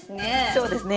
そうですね。